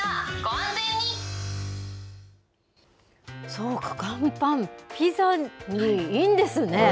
そうか、乾パン、ピザにいいんですね。